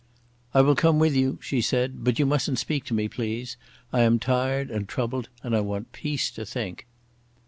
"I will come with you," she said. "But you mustn't speak to me, please. I am tired and troubled and I want peace to think."